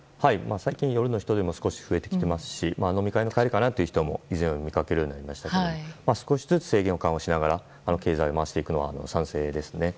最近、夜の人出も増えてきましたし飲み会の帰りかなって人も見かけるようになりましたが少しずつ制限を緩和しながら経済を回していくのは賛成ですね。